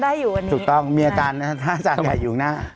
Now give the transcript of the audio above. ใช่ครับถูกต้องมีอาการ๕จานอยู่หน้า